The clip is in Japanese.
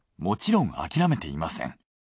もちろん諦めていません。